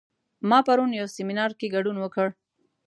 ما پرون یو سیمینار کې ګډون وکړ